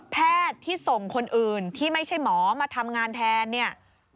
แพทย์ที่ส่งคนอื่นที่ไม่ใช่หมอมาทำงานแทนเนี่ย